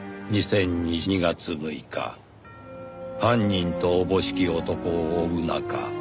「２０２０年２月６日犯人とおぼしき男を追う中